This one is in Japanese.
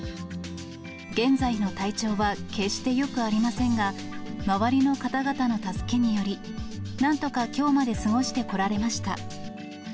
現在の体調は決してよくありませんが、周りの方々の助けにより、なんとかきょうまで過ごしてこられました。